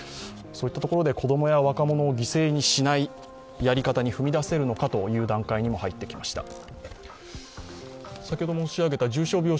そういったところで子供や若者を犠牲にしないやり方に踏み出せるのかという段階にも入ってきました。